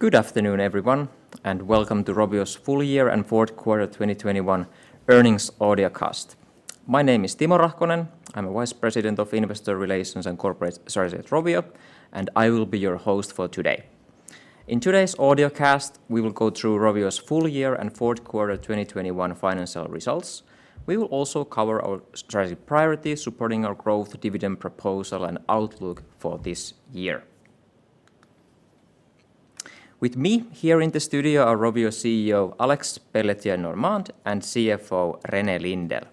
Good afternoon, everyone, and welcome to Rovio's Full Year and Fourth Quarter 2021 Earnings Audio Cast. My name is Timo Rahkonen. I'm a Vice President of Investor Relations and Corporate Strategy at Rovio, and I will be your host for today. In today's audio cast, we will go through Rovio's Full Year and Fourth Quarter 2021 Financial Results. We will also cover our strategic priorities supporting our growth, dividend proposal, and outlook for this year. With me here in the studio are Rovio CEO Alexandre Pelletier-Normand and CFO René Lindell.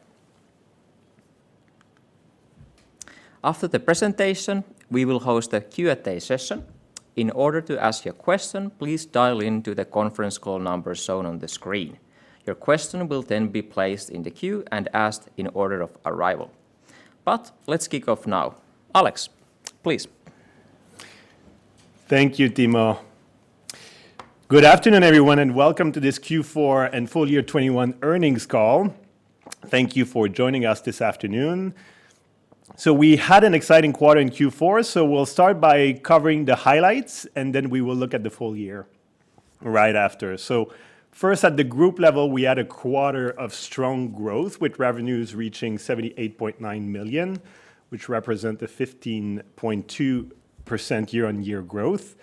After the presentation, we will host a Q&A session. In order to ask your question, please dial into the conference call number shown on the screen. Your question will then be placed in the queue and asked in order of arrival. Let's kick off now. Alex, please. Thank you, Timo. Good afternoon, everyone, and welcome to this Q4 and Full Year 2021 Earnings Call. Thank you for joining us this afternoon. We had an exciting quarter in Q4, so we'll start by covering the highlights, and then we will look at the full year right after. First, at the group level, we had a quarter of strong growth with revenues reaching 78.9 million, which represent a 15.2% year-on-year growth.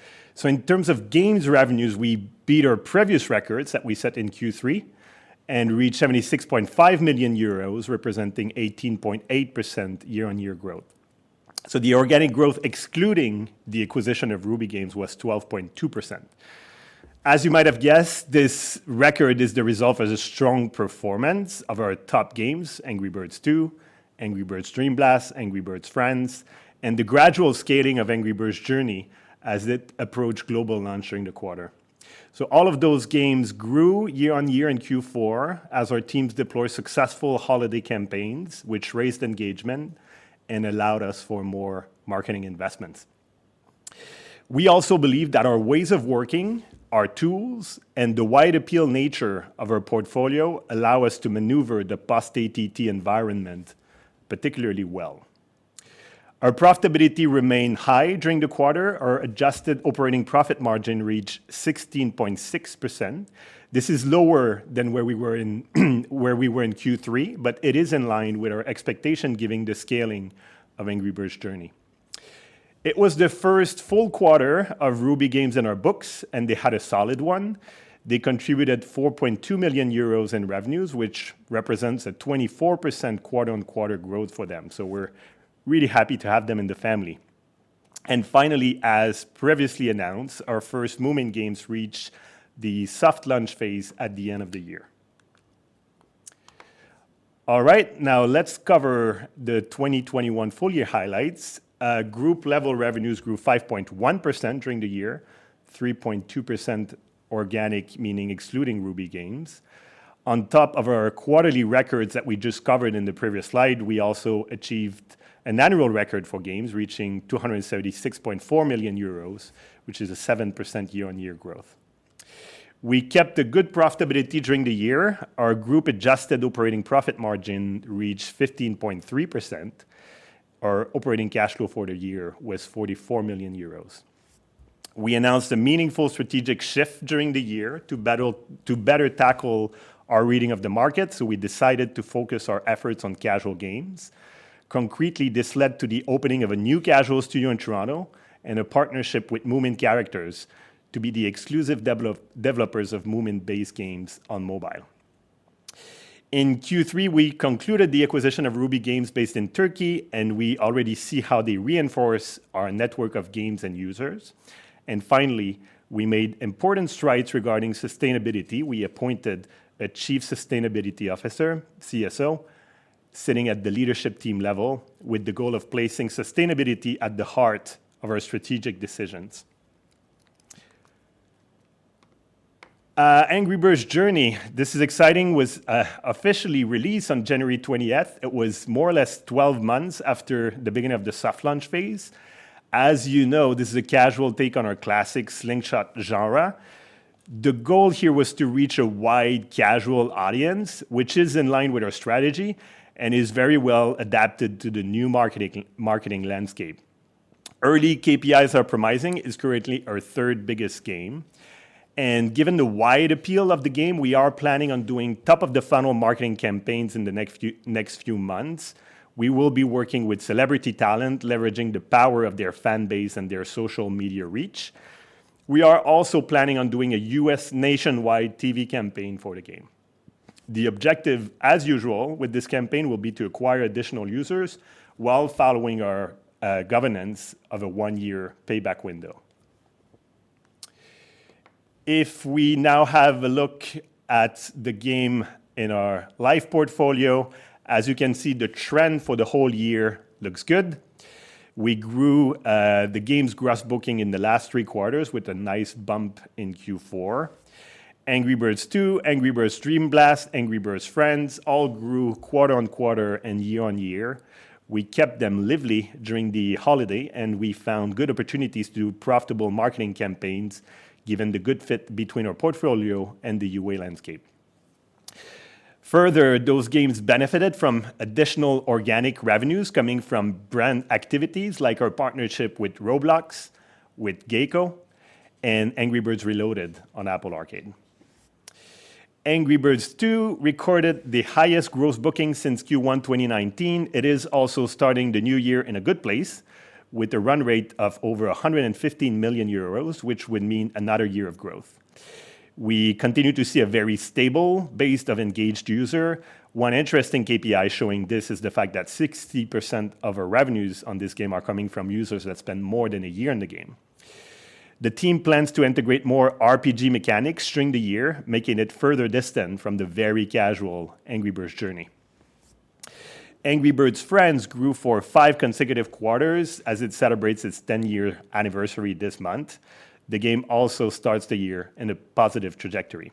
In terms of games revenues, we beat our previous records that we set in Q3 and reached 76.5 million euros, representing 18.8% year-on-year growth. The organic growth excluding the acquisition of Ruby Games was 12.2%. As you might have guessed, this record is the result of the strong performance of our top games, Angry Birds 2, Angry Birds Dream Blast, Angry Birds Friends, and the gradual scaling of Angry Birds Journey as it approached global launch during the quarter. All of those games grew year-on-year in Q4 as our teams deployed successful holiday campaigns, which raised engagement and allowed us for more marketing investments. We also believe that our ways of working, our tools, and the wide appeal nature of our portfolio allow us to maneuver the post-ATT environment particularly well. Our profitability remained high during the quarter. Our adjusted operating profit margin reached 16.6%. This is lower than where we were in Q3, but it is in line with our expectation given the scaling of Angry Birds Journey. It was the first full quarter of Ruby Games in our books, and they had a solid one. They contributed 4.2 million euros in revenues, which represents a 24% quarter-on-quarter growth for them, so we're really happy to have them in the family. Finally, as previously announced, our first Moomin games reached the soft launch phase at the end of the year. All right, now let's cover the 2021 full year highlights. Group level revenues grew 5.1% during the year, 3.2% organic, meaning excluding Ruby Games. On top of our quarterly records that we just covered in the previous slide, we also achieved an annual record for games reaching 276.4 million euros, which is a 7% year-on-year growth. We kept a good profitability during the year. Our group adjusted operating profit margin reached 15.3%. Our operating cash flow for the year was 44 million euros. We announced a meaningful strategic shift during the year to better tackle our reading of the market, so we decided to focus our efforts on casual games. Concretely, this led to the opening of a new casual studio in Toronto and a partnership with Moomin Characters to be the exclusive developers of Moomin-based games on mobile. In Q3, we concluded the acquisition of Ruby Games based in Turkey, and we already see how they reinforce our network of games and users. Finally, we made important strides regarding sustainability. We appointed a Chief Sustainability Officer, CSO, sitting at the leadership team level with the goal of placing sustainability at the heart of our strategic decisions. Angry Birds Journey, this is exciting, was officially released on January 20. It was more or less 12 months after the beginning of the soft launch phase. As you know, this is a casual take on our classic slingshot genre. The goal here was to reach a wide casual audience, which is in line with our strategy and is very well adapted to the new marketing landscape. Early KPIs are promising. It's currently our third biggest game. Given the wide appeal of the game, we are planning on doing top of the funnel marketing campaigns in the next few months. We will be working with celebrity talent, leveraging the power of their fan base and their social media reach. We are also planning on doing a U.S. nationwide TV campaign for the game. The objective, as usual, with this campaign will be to acquire additional users while following our governance of a one-year payback window. If we now have a look at the game in our live portfolio, as you can see, the trend for the whole year looks good. We grew the game's gross booking in the last three quarters with a nice bump in Q4. Angry Birds 2, Angry Birds Dream Blast, Angry Birds Friends all grew quarter-on-quarter and year-on-year. We kept them lively during the holiday, and we found good opportunities to do profitable marketing campaigns given the good fit between our portfolio and the UA landscape. Further, those games benefited from additional organic revenues coming from brand activities like our partnership with Roblox, with GEICO, and Angry Birds Reloaded on Apple Arcade. Angry Birds 2 recorded the highest gross bookings since Q1 2019. It is also starting the new year in a good place with a run rate of over 150 million euros, which would mean another year of growth. We continue to see a very stable base of engaged user. One interesting KPI showing this is the fact that 60% of our revenues on this game are coming from users that spend more than a year in the game. The team plans to integrate more RPG mechanics during the year, making it further distant from the very casual Angry Birds Journey. Angry Birds Friends grew for five consecutive quarters as it celebrates its ten-year anniversary this month. The game also starts the year in a positive trajectory.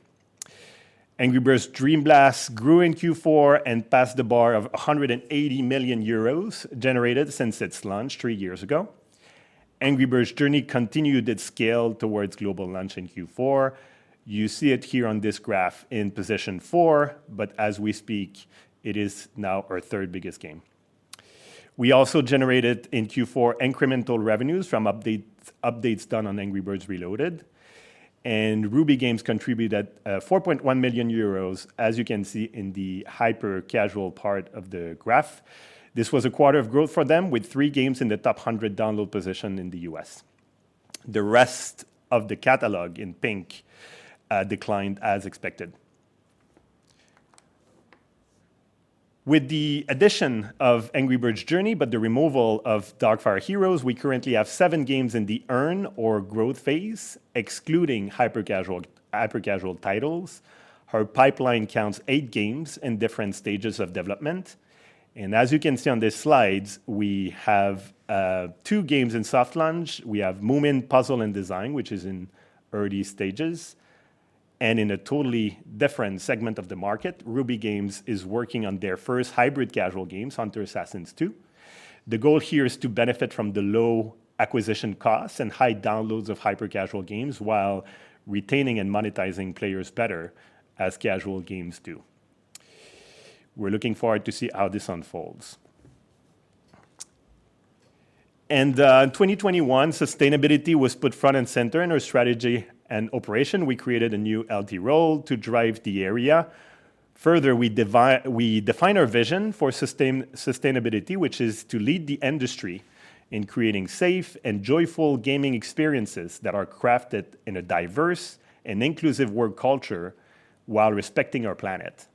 Angry Birds Dream Blast grew in Q4 and passed the bar of 180 million euros generated since its launch three years ago. Angry Birds Journey continued its scale towards global launch in Q4. You see it here on this graph in position four, but as we speak, it is now our third biggest game. We also generated in Q4 incremental revenues from updates done on Angry Birds Reloaded, and Ruby Games contributed four point one million euros, as you can see in the hyper-casual part of the graph. This was a quarter of growth for them with three games in the top 100 download position in the U.S. The rest of the catalog in pink declined as expected. With the addition of Angry Birds Journey but the removal of Darkfire Heroes, we currently have seven games in the earn or growth phase, excluding hyper-casual titles. Our pipeline counts eight games in different stages of development. As you can see on these slides, we have two games in soft launch. We have Moomin: Puzzle & Design, which is in early stages. In a totally different segment of the market, Ruby Games is working on their first hybrid casual games, Hunter Assassin 2. The goal here is to benefit from the low acquisition costs and high downloads of hyper-casual games while retaining and monetizing players better as casual games do. We're looking forward to see how this unfolds. In 2021, sustainability was put front and center in our strategy and operation. We created a new LT role to drive the area. Further, we defined our vision for sustainability, which is to lead the industry in creating safe and joyful gaming experiences that are crafted in a diverse and inclusive work culture while respecting our planet.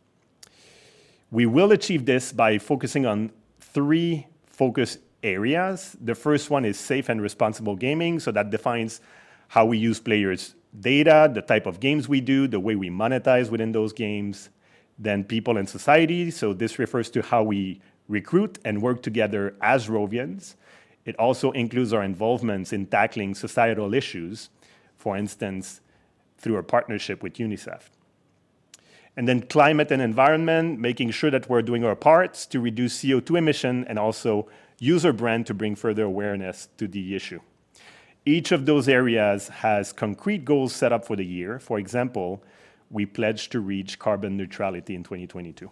We will achieve this by focusing on three focus areas. The first one is safe and responsible gaming, so that defines how we use players' data, the type of games we do, the way we monetize within those games. People and society, so this refers to how we recruit and work together as Rovians. It also includes our involvements in tackling societal issues, for instance, through our partnership with UNICEF. Climate and environment, making sure that we're doing our parts to reduce CO2 emission and also use our brand to bring further awareness to the issue. Each of those areas has concrete goals set up for the year. For example, we pledge to reach carbon neutrality in 2022.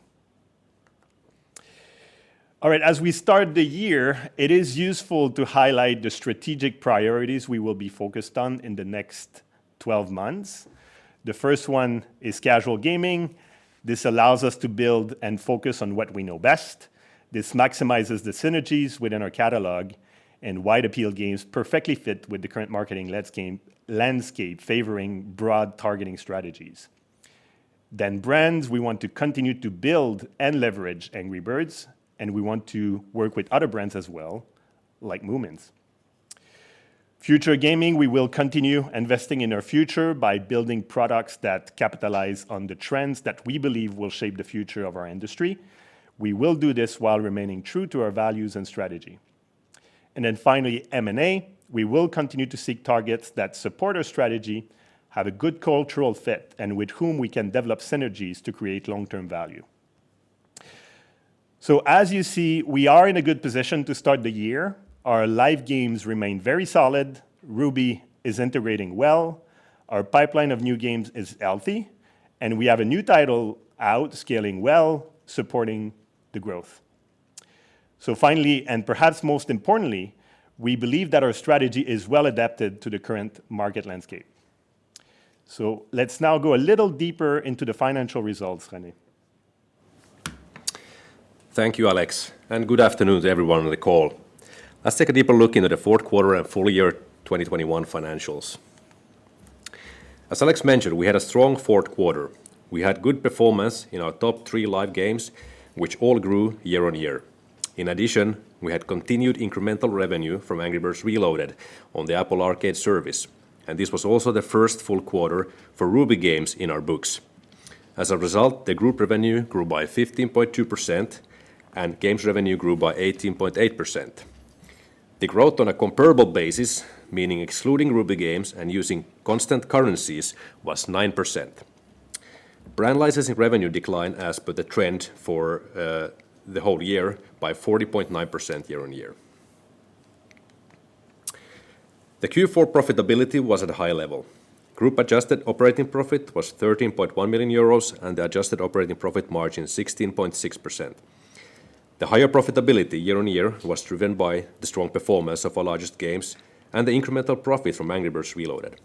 All right. As we start the year, it is useful to highlight the strategic priorities we will be focused on in the next 12 months. The first one is casual gaming. This allows us to build and focus on what we know best. This maximizes the synergies within our catalog, and wide appeal games perfectly fit with the current marketing landscape favoring broad targeting strategies. Brands, we want to continue to build and leverage Angry Birds, and we want to work with other brands as well, like Moomin. Future gaming, we will continue investing in our future by building products that capitalize on the trends that we believe will shape the future of our industry. We will do this while remaining true to our values and strategy. Finally, M&A, we will continue to seek targets that support our strategy, have a good cultural fit, and with whom we can develop synergies to create long-term value. As you see, we are in a good position to start the year. Our live games remain very solid. Ruby is integrating well. Our pipeline of new games is healthy. We have a new title out scaling well, supporting the growth. Finally, and perhaps most importantly, we believe that our strategy is well adapted to the current market landscape. Let's now go a little deeper into the financial results, René. Thank you, Alex, and good afternoon to everyone on the call. Let's take a deeper look into the Fourth Quarter and Full Year 2021 Financials. As Alex mentioned, we had a strong fourth quarter. We had good performance in our top three live games, which all grew year-on-year. In addition, we had continued incremental revenue from Angry Birds Reloaded on the Apple Arcade service, and this was also the first full quarter for Ruby Games in our books. As a result, the group revenue grew by 15.2%, and games revenue grew by 18.8%. The growth on a comparable basis, meaning excluding Ruby Games and using constant currencies, was 9%. Brand licensing revenue declined as per the trend for the whole year by 40.9% year-on-year. The Q4 profitability was at a high level. Group adjusted operating profit was 13.1 million euros, and the adjusted operating profit margin 16.6%. The higher profitability year-on-year was driven by the strong performance of our largest games and the incremental profit from Angry Birds Reloaded.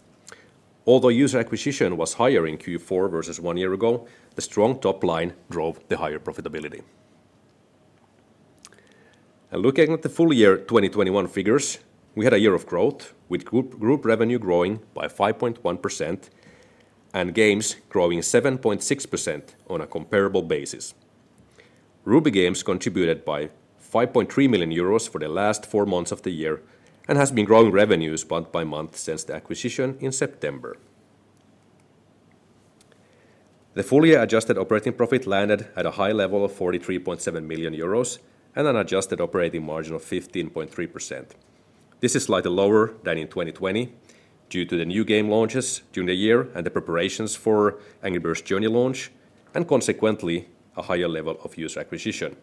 Although user acquisition was higher in Q4 versus one year ago, the strong top line drove the higher profitability. Looking at the full year 2021 figures, we had a year of growth, with group revenue growing by 5.1% and games growing 7.6% on a comparable basis. Ruby Games contributed by 5.3 million euros for the last four months of the year and has been growing revenues month by month since the acquisition in September. The full year adjusted operating profit landed at a high level of 43.7 million euros and an adjusted operating margin of 15.3%. This is slightly lower than in 2020 due to the new game launches during the year and the preparations for Angry Birds Journey launch, and consequently, a higher level of user acquisition.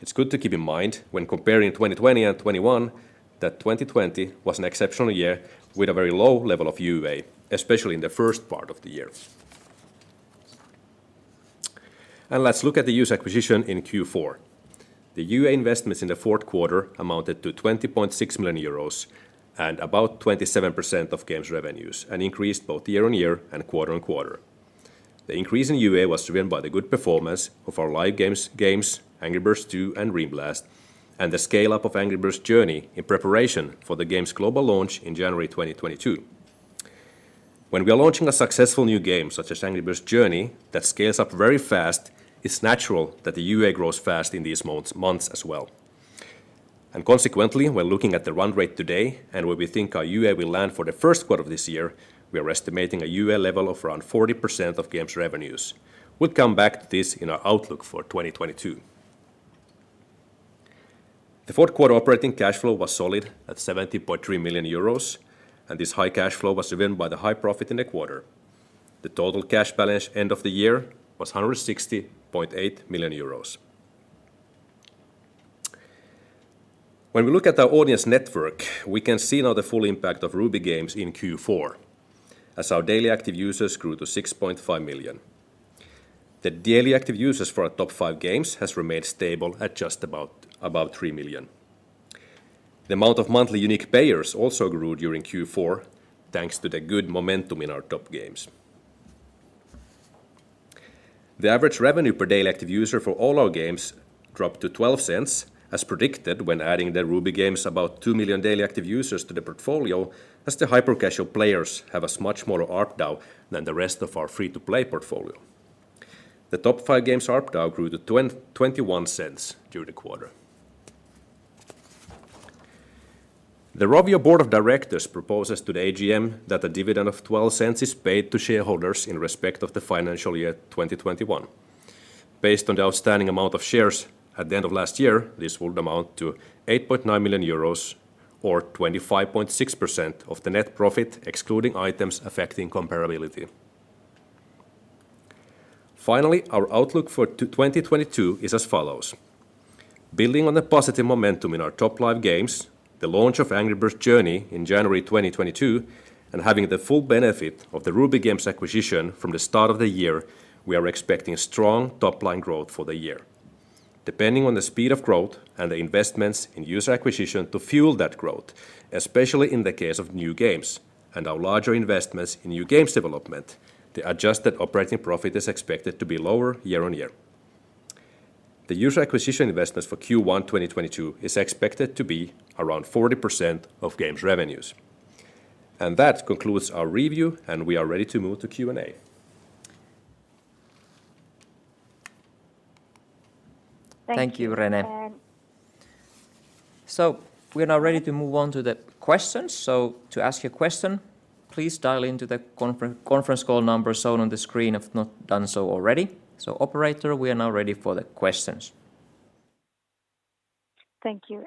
It's good to keep in mind when comparing 2020 and 2021 that 2020 was an exceptional year with a very low level of UA, especially in the first part of the year. Let's look at the user acquisition in Q4. The UA investments in the fourth quarter amounted to 20.6 million euros and about 27% of Games' revenues and increased both year-on-year and quarter-on-quarter. The increase in UA was driven by the good performance of our live games, Angry Birds 2 and Dream Blast, and the scale-up of Angry Birds Journey in preparation for the game's global launch in January 2022. When we are launching a successful new game, such as Angry Birds Journey, that scales up very fast, it's natural that the UA grows fast in these months as well. Consequently, we're looking at the run rate today and where we think our UA will land for the first quarter of this year, we are estimating a UA level of around 40% of Games' revenues. We'll come back to this in our outlook for 2022. The fourth quarter operating cash flow was solid at 70.3 million euros, and this high cash flow was driven by the high profit in the quarter. The total cash balance at end of the year was 160.8 million euros. When we look at our audience network, we can see now the full impact of Ruby Games in Q4 as our daily active users grew to 6.5 million. The daily active users for our top five games has remained stable at just about 3 million. The amount of monthly unique payers also grew during Q4, thanks to the good momentum in our top games. The average revenue per daily active user for all our games dropped to 0.12, as predicted when adding the Ruby Games about 2 million daily active users to the portfolio, as the hyper-casual players have a much lower ARPDAU than the rest of our free-to-play portfolio. The top five games ARPDAU grew to 0.21 during the quarter. The Rovio board of directors proposes to the AGM that a dividend of 0.12 is paid to shareholders in respect of the financial year 2021. Based on the outstanding amount of shares at the end of last year, this would amount to 8.9 million euros or 25.6% of the net profit, excluding items affecting comparability. Finally, our outlook for 2022 is as follows. Building on the positive momentum in our top live games, the launch of Angry Birds Journey in January 2022, and having the full benefit of the Ruby Games acquisition from the start of the year, we are expecting strong top-line growth for the year. Depending on the speed of growth and the investments in user acquisition to fuel that growth, especially in the case of new games and our larger investments in new games development, the adjusted operating profit is expected to be lower year-on-year. The user acquisition investments for Q1 2022 is expected to be around 40% of Games' revenues. That concludes our review, and we are ready to move to Q&A. Thank you. Thank you, René. We are now ready to move on to the questions. To ask your question, please dial into the conference call number shown on the screen if not done so already. Operator, we are now ready for the questions. Thank you.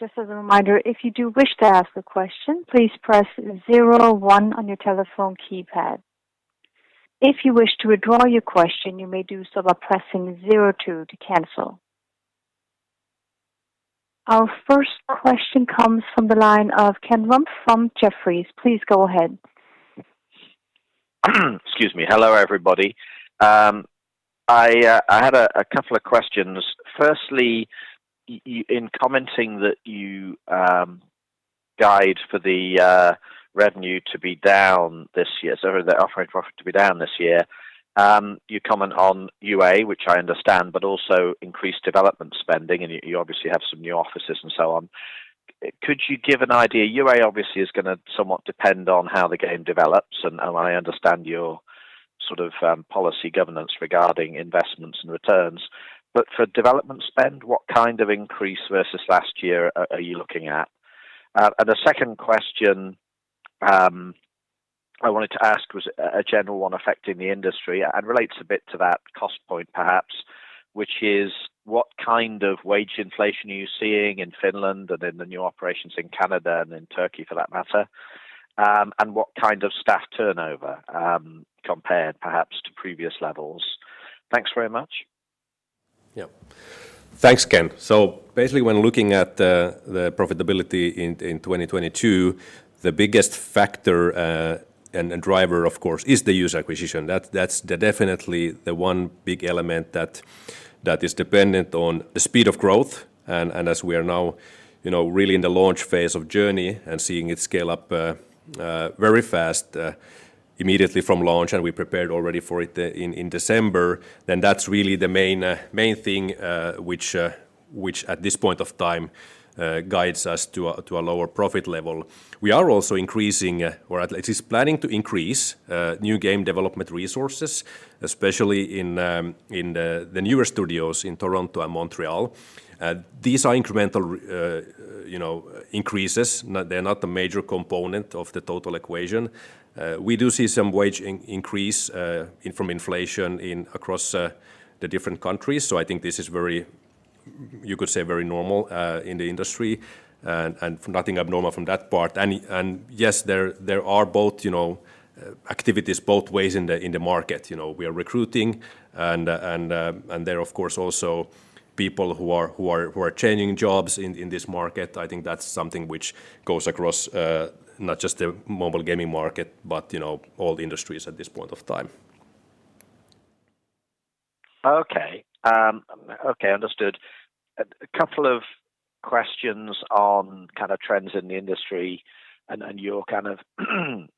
Just as a reminder, if you do wish to ask a question, please press zero one on your telephone keypad. If you wish to withdraw your question, you may do so by pressing zero two to cancel. Our first question comes from the line of Ken Rumph from Jefferies. Please go ahead. Excuse me. Hello, everybody. I had a couple of questions. Firstly, in commenting that you guide for the revenue to be down this year, the operating profit to be down this year, you comment on UA, which I understand, but also increased development spending, and you obviously have some new offices and so on. Could you give an idea? UA obviously is gonna somewhat depend on how the game develops, and I understand your sort of policy governance regarding investments and returns. But for development spend, what kind of increase versus last year are you looking at? The second question I wanted to ask was a general one affecting the industry and relates a bit to that cost point, perhaps, which is what kind of wage inflation are you seeing in Finland and in the new operations in Canada and in Turkey for that matter, and what kind of staff turnover, compared perhaps to previous levels? Thanks very much. Yeah. Thanks, Ken. Basically when looking at the profitability in 2022, the biggest factor and driver, of course, is the user acquisition. That's definitely the one big element that is dependent on the speed of growth and as we are now, you know, really in the launch phase of Journey and seeing it scale up very fast immediately from launch, and we prepared already for it in December, then that's really the main thing which at this point of time guides us to a lower profit level. We are also increasing or at least planning to increase new game development resources, especially in the newer studios in Toronto and Montreal. These are incremental, you know, increases. No, they're not the major component of the total equation. We do see some wage increase from inflation across the different countries. I think this is very, you could say, very normal in the industry and nothing abnormal from that part. Yes, there are both, you know, activities both ways in the market. You know, we are recruiting and there are of course also people who are changing jobs in this market. I think that's something which goes across, not just the mobile gaming market, but you know, all the industries at this point of time. Okay. Okay. Understood. A couple of questions on kind of trends in the industry and your kind of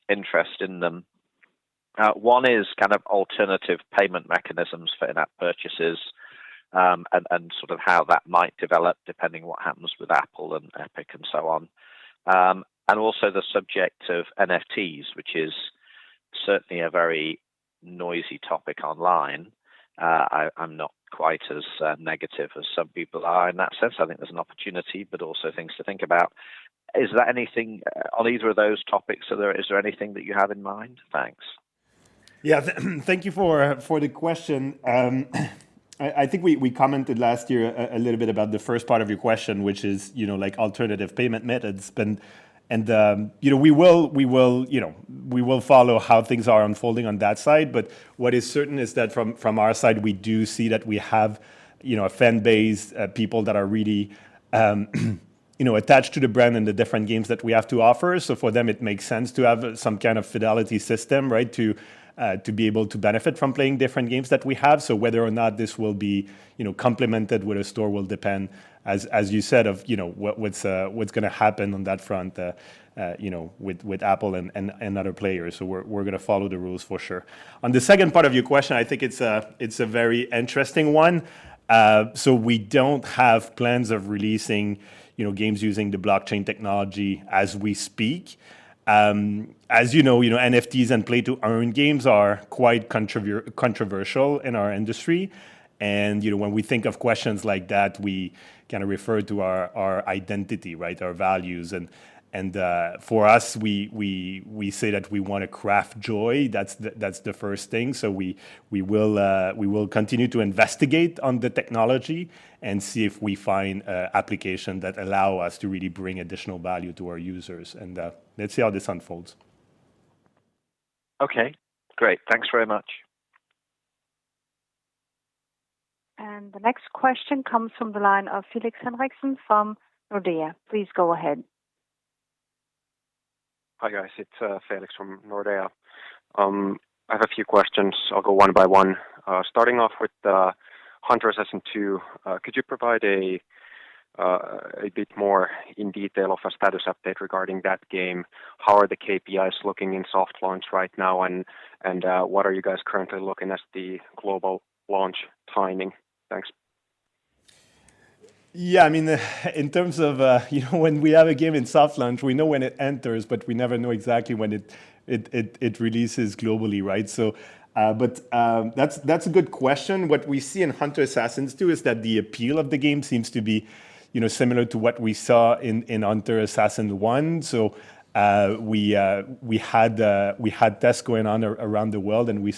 interest in them. One is kind of alternative payment mechanisms for in-app purchases, and sort of how that might develop depending what happens with Apple and Epic and so on. Also the subject of NFTs, which is certainly a very noisy topic online. I'm not quite as negative as some people are in that sense. I think there's an opportunity, but also things to think about. Is there anything on either of those topics, is there anything that you have in mind? Thanks. Thank you for the question. I think we commented last year a little bit about the first part of your question, which is, you know, like alternative payment methods. We will follow how things are unfolding on that side. But what is certain is that from our side, we do see that we have, you know, a fan base, people that are really, you know, attached to the brand and the different games that we have to offer. For them, it makes sense to have some kind of fidelity system, right? To be able to benefit from playing different games that we have. Whether or not this will be, you know, complemented with a store will depend, as you said, on, you know, what's gonna happen on that front, you know, with Apple and other players. We're gonna follow the rules for sure. On the second part of your question, I think it's a very interesting one. We don't have plans of releasing, you know, games using the blockchain technology as we speak. As you know, you know, NFTs and play-to-earn games are quite controversial in our industry. You know, when we think of questions like that, we kind of refer to our identity, right, our values. For us, we say that we wanna craft joy. That's the first thing. We will continue to investigate on the technology and see if we find application that allow us to really bring additional value to our users, and let's see how this unfolds. Okay. Great. Thanks very much. The next question comes from the line of Felix Henriksson from Nordea. Please go ahead. Hi, guys. It's Felix from Nordea. I have a few questions. I'll go one by one. Starting off with Hunter Assassin 2, could you provide a bit more in detail of a status update regarding that game? How are the KPIs looking in soft launch right now, and what are you guys currently looking as the global launch timing? Thanks. Yeah. I mean, in terms of, you know, when we have a game in soft launch, we know when it enters, but we never know exactly when it releases globally, right? That's a good question. What we see in Hunter Assassin 2 is that the appeal of the game seems to be, you know, similar to what we saw in Hunter Assassin 1. We had tests going on around the world, and we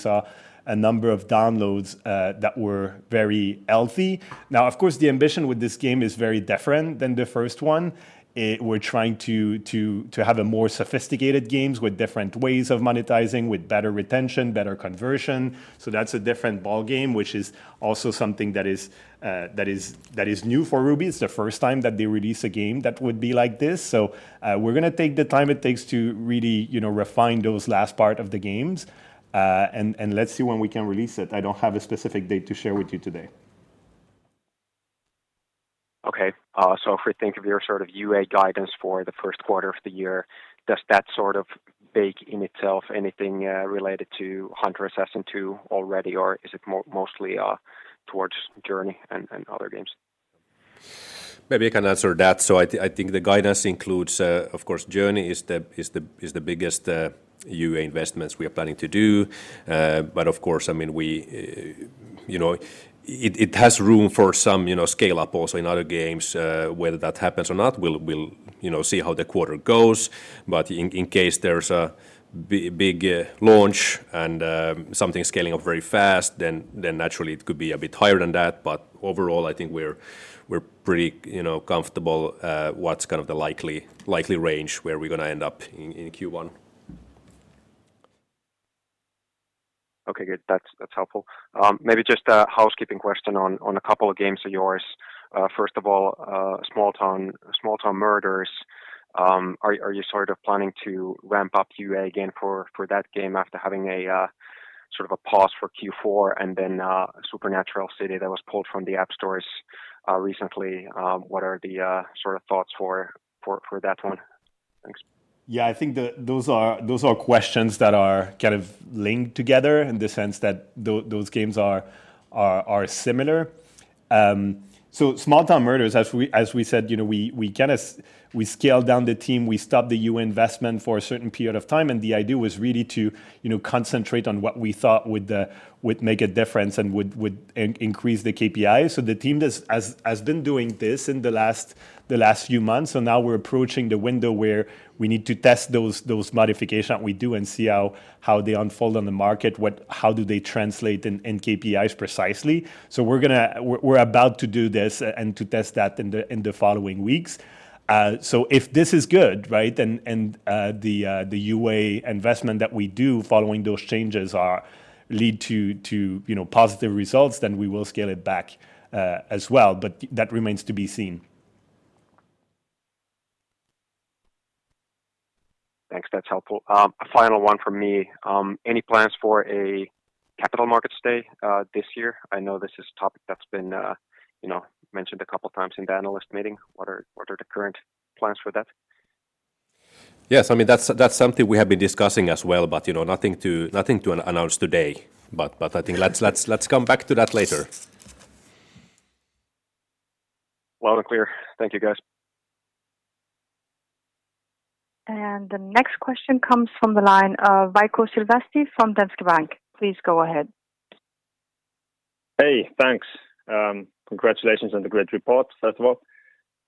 saw a number of downloads that were very healthy. Now, of course, the ambition with this game is very different than the first one. We're trying to have a more sophisticated games with different ways of monetizing, with better retention, better conversion. That's a different ballgame, which is also something that is new for Ruby. It's the first time that they release a game that would be like this. We're gonna take the time it takes to really, you know, refine those last parts of the games, and let's see when we can release it. I don't have a specific date to share with you today. Okay, if we think of your sort of UA guidance for the first quarter of the year, does that sort of bake in itself anything related to Hunter Assassin 2 already, or is it mostly towards Journey and other games? Maybe I can answer that. I think the guidance includes, of course, Journey is the biggest UA investments we are planning to do. But of course, I mean, we, you know. It has room for some, you know, scale-up also in other games. Whether that happens or not, we'll, you know, see how the quarter goes. But in case there's a big launch and something scaling up very fast, then naturally it could be a bit higher than that. But overall, I think we're pretty, you know, comfortable what's kind of the likely range where we're gonna end up in Q1. Okay, good. That's helpful. Maybe just a housekeeping question on a couple of games of yours. First of all, Small Town Murders, are you sort of planning to ramp up UA again for that game after having a sort of a pause for Q4 and then Supernatural City that was pulled from the app stores recently? What are the sort of thoughts for that one? Thanks. Yeah. I think those are questions that are kind of linked together in the sense that those games are similar. Small Town Murders, as we said, you know, we kinda scaled down the team, we stopped the UA investment for a certain period of time, and the idea was really to, you know, concentrate on what we thought would make a difference and would increase the KPIs. The team has been doing this in the last few months, so now we're approaching the window where we need to test those modifications that we do and see how they unfold on the market, how they translate in KPIs precisely. We're about to do this and to test that in the following weeks. If this is good, right, then the UA investment that we do following those changes are lead to positive results, then we will scale it back as well. That remains to be seen. Thanks. That's helpful. A final one from me. Any plans for a capital markets day, this year? I know this is a topic that's been, you know, mentioned a couple of times in the analyst meeting. What are the current plans for that? Yes. I mean, that's something we have been discussing as well, but, you know, nothing to announce today. I think let's come back to that later. Loud and clear. Thank you, guys. The next question comes from the line of Veikko Silvestri from Danske Bank. Please go ahead. Hey, thanks. Congratulations on the great report, first of all.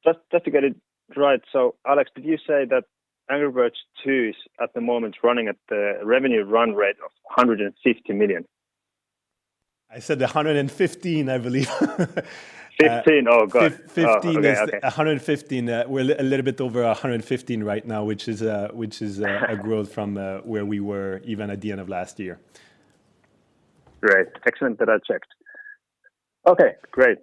Just to get it right, Alex, did you say that Angry Birds 2 is at the moment running at the revenue run rate of 150 million? I said 115, I believe. 15? Oh, got it. Fif-fifteen. Okay, okay. Is 115. We're a little bit over 115 right now, which is a growth from where we were even at the end of last year. Great. Excellent that I checked. Okay, great.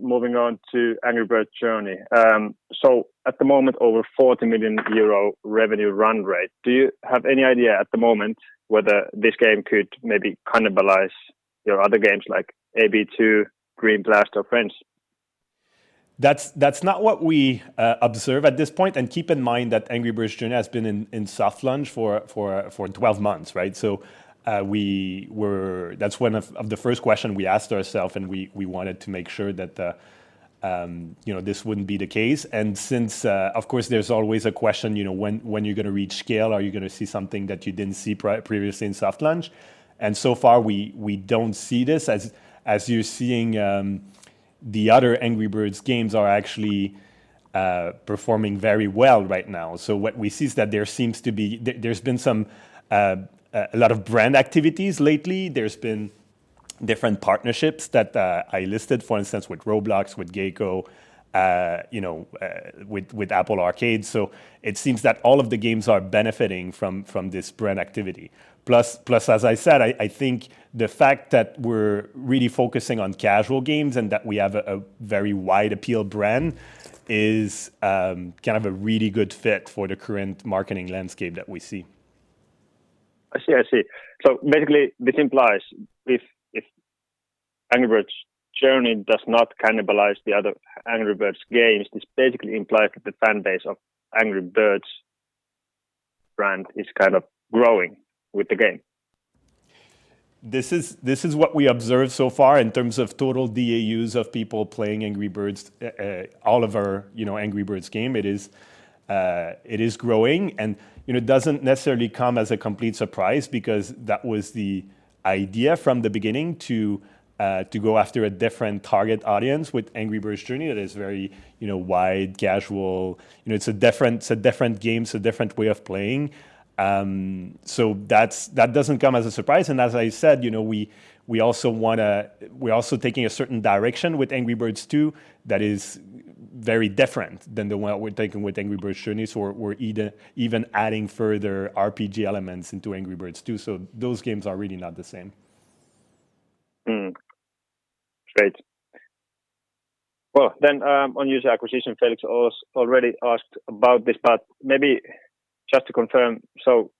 Moving on to Angry Birds Journey. At the moment, over 40 million euro revenue run rate. Do you have any idea at the moment whether this game could maybe cannibalize your other games like AB2, Dream Blast or Friends? That's not what we observe at this point. Keep in mind that Angry Birds Journey has been in soft launch for 12 months, right? That's one of the first questions we asked ourselves, and we wanted to make sure that you know this wouldn't be the case. Since of course, there's always a question, you know, when you're gonna reach scale, are you gonna see something that you didn't see previously in soft launch? So far, we don't see this as you're seeing the other Angry Birds games are actually performing very well right now. What we see is that there seems to be a lot of brand activities lately. There's been different partnerships that I listed, for instance, with Roblox, with GEICO, you know, with Apple Arcade. It seems that all of the games are benefiting from this brand activity. Plus, as I said, I think the fact that we're really focusing on casual games and that we have a very wide appeal brand is kind of a really good fit for the current marketing landscape that we see. I see. Basically, this implies if Angry Birds Journey does not cannibalize the other Angry Birds games, this basically implies that the fan base of Angry Birds brand is kind of growing with the game. This is what we observed so far in terms of total DAUs of people playing Angry Birds, all of our, you know, Angry Birds game. It is growing and, you know, it doesn't necessarily come as a complete surprise because that was the idea from the beginning to go after a different target audience with Angry Birds Journey. It is very, you know, wide casual. You know, it's a different game, it's a different way of playing. That doesn't come as a surprise. As I said, you know, we're also taking a certain direction with Angry Birds 2 that is very different than the one we're taking with Angry Birds Journey. We're even adding further RPG elements into Angry Birds 2. Those games are really not the same. Great. Well, then, on user acquisition, Felix already asked about this, but maybe just to confirm.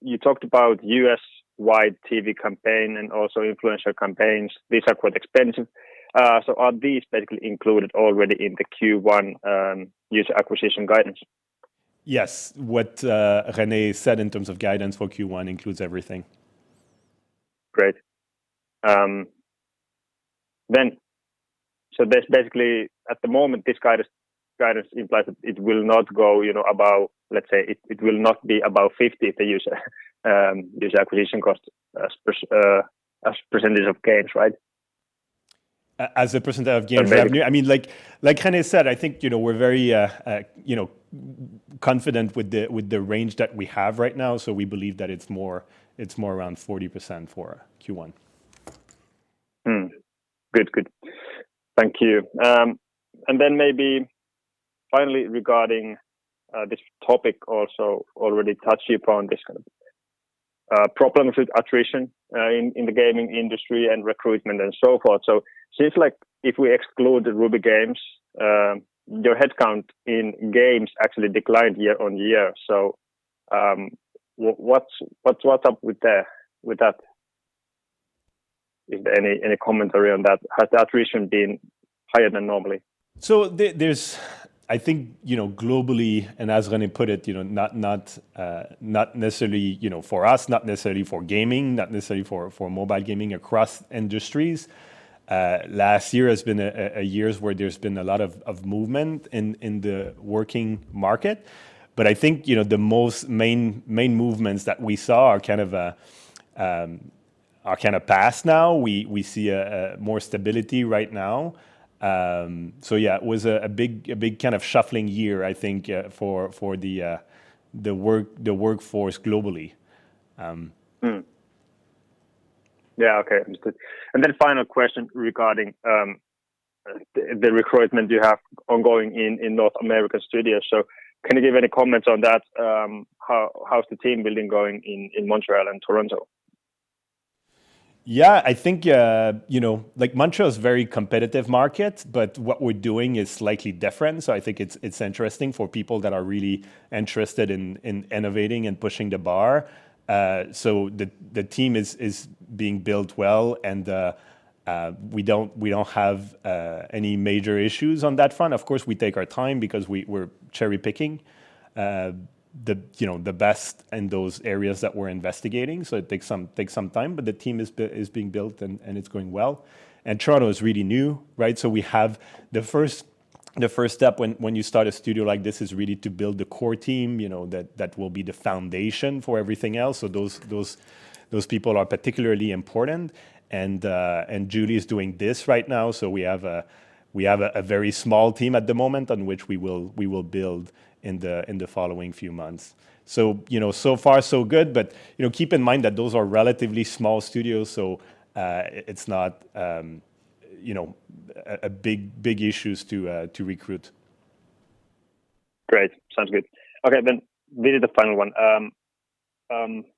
You talked about U.S.-wide TV campaign and also influencer campaigns. These are quite expensive. Are these basically included already in the Q1 user acquisition guidance? Yes. What René said in terms of guidance for Q1 includes everything. Great. Basically, at the moment, this guidance implies that it will not go, you know, above, let's say, it will not be above 50%, the user acquisition cost as percentage of games, right? As a percentage of games? Maybe. I mean, like, René said, I think, you know, we're very, you know, confident with the range that we have right now. We believe that it's more around 40% for Q1. Good, good. Thank you. Maybe finally regarding this topic also already touched upon this kind of problems with attrition in the gaming industry and recruitment and so forth. Seems like if we exclude the Ruby Games, your head count in games actually declined year-on-year. What's up with that? Is there any commentary on that? Has the attrition been higher than normally? There's I think, you know, globally, and as René put it, you know, not necessarily, you know, for us, not necessarily for gaming, not necessarily for mobile gaming across industries, last year has been a year where there's been a lot of movement in the labor market. I think, you know, the main movements that we saw are kind of past now. We see more stability right now. It was a big kind of shuffling year, I think, for the workforce globally. Yeah. Okay. Understood. Final question regarding the recruitment you have ongoing in North America studio. Can you give any comments on that? How's the team building going in Montreal and Toronto? I think, you know, like Montreal is a very competitive market, but what we're doing is slightly different. I think it's interesting for people that are really interested in innovating and pushing the bar. The team is being built well, and we don't have any major issues on that front. Of course, we take our time because we're cherry-picking, you know, the best in those areas that we're investigating, so it takes some time. The team is being built and it's going well. Toronto is really new, right? We have the first step when you start a studio like this is really to build the core team, you know, that will be the foundation for everything else. Those people are particularly important and Judy is doing this right now. We have a very small team at the moment on which we will build in the following few months. You know, so far so good. You know, keep in mind that those are relatively small studios, so it's not you know, a big issues to recruit. Great. Sounds good. Okay. Really the final one.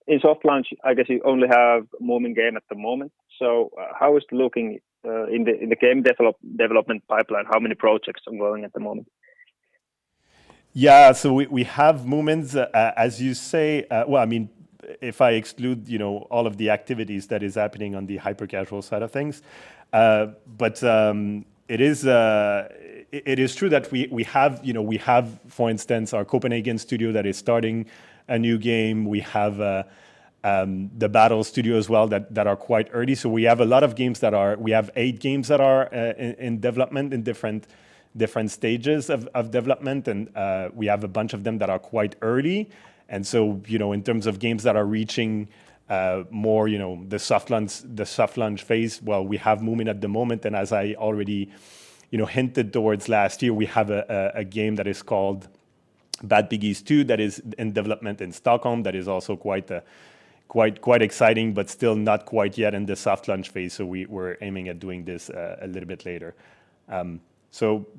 In soft launch, I guess you only have Moomin game at the moment. How is it looking in the game development pipeline? How many projects ongoing at the moment? Yeah, we have Moomin, as you say. Well, I mean, if I exclude, you know, all of the activities that is happening on the hyper-casual side of things. It is true that we have, you know, we have, for instance, our Copenhagen studio that is starting a new game. We have the Battle Studio as well that are quite early. We have a lot of games. We have eight games that are in development in different stages of development. We have a bunch of them that are quite early. You know, in terms of games that are reaching more, you know, the soft launch phase, well, we have Moomin at the moment, and as I already, you know, hinted towards last year, we have a game that is called Bad Piggies 2 that is in development in Stockholm that is also quite exciting, but still not quite yet in the soft launch phase. We're aiming at doing this a little bit later.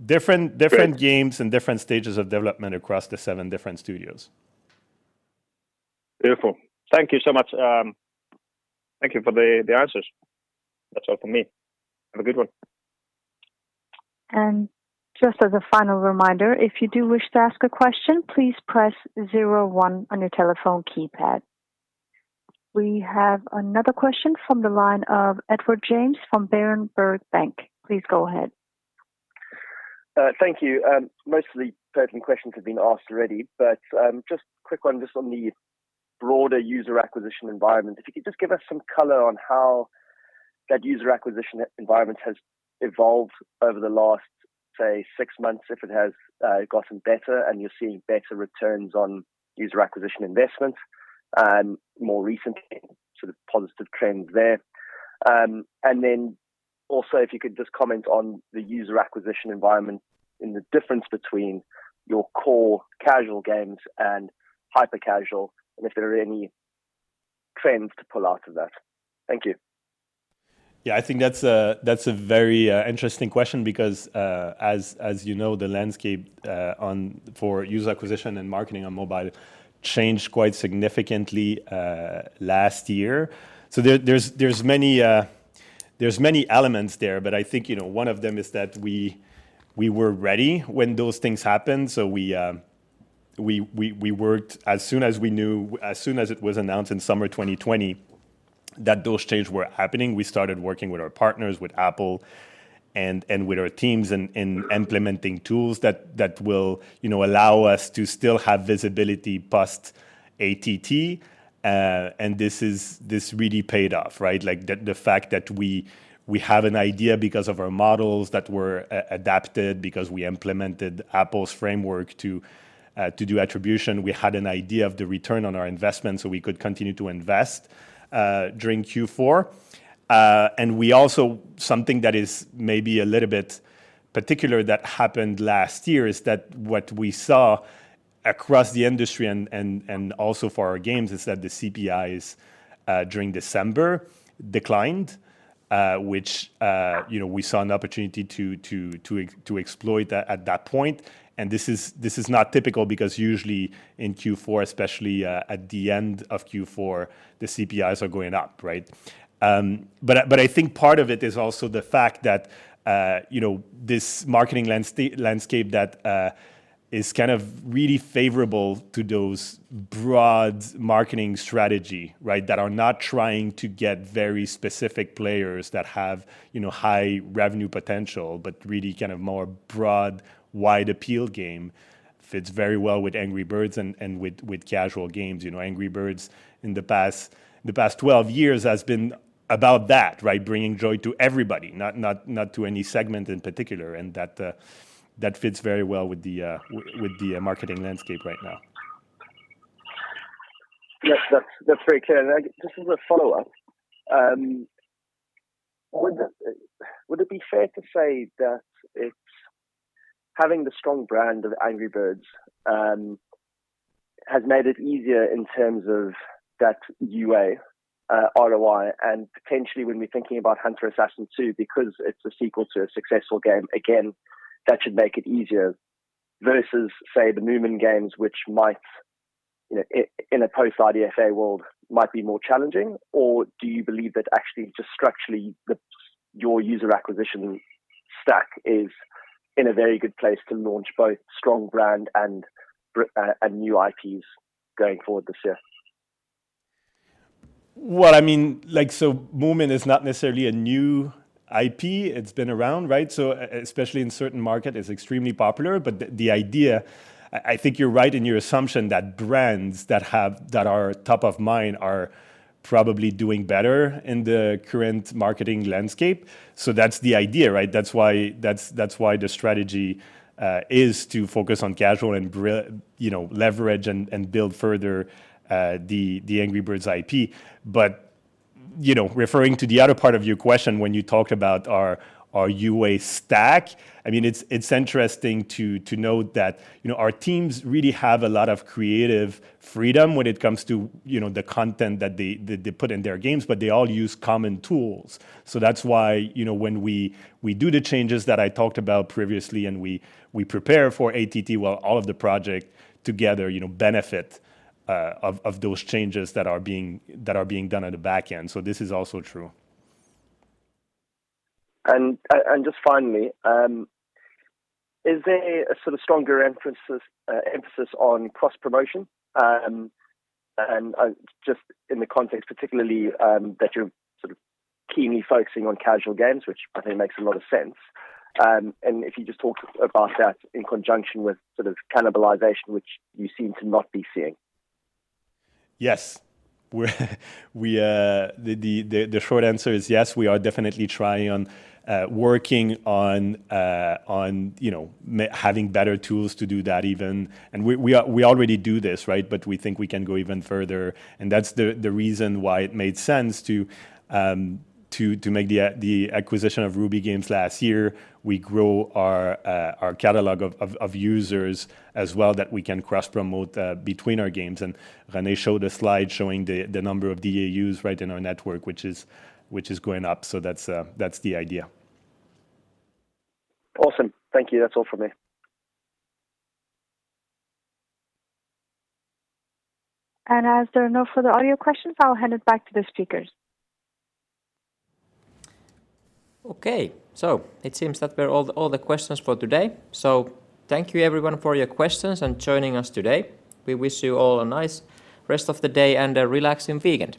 Different- Great... different games and different stages of development across the seven different studios. Beautiful. Thank you so much. Thank you for the answers. That's all from me. Have a good one. Just as a final reminder, if you do wish to ask a question, please press zero-one on your telephone keypad. We have another question from the line of Edward James from Berenberg Bank. Please go ahead. Thank you. Most of the questions have been asked already, but just a quick one on the broader user acquisition environment. If you could just give us some color on how that user acquisition environment has evolved over the last, say, six months, if it has gotten better and you're seeing better returns on user acquisition investments more recently, sort of positive trend there. Then also if you could just comment on the user acquisition environment and the difference between your core casual games and hyper casual and if there are any trends to pull out of that. Thank you. Yeah. I think that's a very interesting question because as you know, the landscape for user acquisition and marketing on mobile changed quite significantly last year. There are many elements there, but I think you know, one of them is that we were ready when those things happened. We worked as soon as we knew, as soon as it was announced in summer 2020 that those changes were happening. We started working with our partners, with Apple and with our teams in implementing tools that will you know, allow us to still have visibility post ATT. This really paid off, right? The fact that we have an idea because of our models that were adapted because we implemented Apple's framework to do attribution. We had an idea of the return on our investment, so we could continue to invest during Q4. Something that is maybe a little bit particular that happened last year is that what we saw across the industry and also for our games is that the CPIs during December declined, which, you know, we saw an opportunity to exploit that at that point. This is not typical because usually in Q4, especially at the end of Q4, the CPIs are going up, right? I think part of it is also the fact that, you know, this marketing landscape that is kind of really favorable to those broad marketing strategy, right, that are not trying to get very specific players that have, you know, high revenue potential, but really kind of more broad, wide appeal game fits very well with Angry Birds and with casual games. You know, Angry Birds in the past twelve years has been about that, right? Bringing joy to everybody, not to any segment in particular, and that fits very well with the marketing landscape right now. Yes. That's very clear. Just as a follow-up, would it be fair to say that it's having the strong brand of Angry Birds has made it easier in terms of that UA, ROI, and potentially when we're thinking about Hunter Assassin 2, because it's a sequel to a successful game, again, that should make it easier versus, say, the Moomin games, which might, you know, in a post-IDFA world might be more challenging? Or do you believe that actually just structurally your user acquisition stack is in a very good place to launch both strong brand and new IPs going forward this year? Well, I mean, like, Moomin is not necessarily a new IP. It's been around, right? Especially in certain market, it's extremely popular. The idea, I think you're right in your assumption that brands that are top of mind are probably doing better in the current marketing landscape. That's the idea, right? That's why the strategy is to focus on casual and, you know, leverage and build further the Angry Birds IP. You know, referring to the other part of your question when you talked about our UA stack, I mean, it's interesting to note that, you know, our teams really have a lot of creative freedom when it comes to, you know, the content that they put in their games, but they all use common tools. That's why, you know, when we do the changes that I talked about previously and we prepare for ATT, well, all of the project together, you know, benefit of those changes that are being done on the back end. This is also true. Just finally, is there a sort of stronger emphasis on cross-promotion? Just in the context particularly that you're sort of keenly focusing on casual games, which I think makes a lot of sense. If you just talk about that in conjunction with sort of cannibalization, which you seem to not be seeing. Yes. The short answer is yes, we are definitely trying to work on, you know, having better tools to do that even. We already do this, right? We think we can go even further, and that's the reason why it made sense to make the acquisition of Ruby Games last year. We grow our catalog of users as well that we can cross-promote between our games. René showed a slide showing the number of DAUs right in our network, which is going up. That's the idea. Awesome. Thank you. That's all from me. As there are no further audio questions, I'll hand it back to the speakers. Okay. It seems that was all the questions for today. Thank you everyone for your questions and joining us today. We wish you all a nice rest of the day and a relaxing weekend.